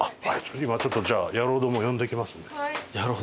今ちょっとじゃあ野郎ども呼んできますね。